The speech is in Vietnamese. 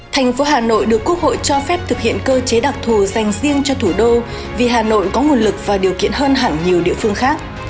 thành phố hà nội được quốc hội cho phép thực hiện cơ chế đặc thù dành riêng cho thủ đô vì hà nội có nguồn lực và điều kiện hơn hẳn nhiều địa phương khác